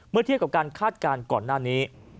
เทียบกับการคาดการณ์ก่อนหน้านี้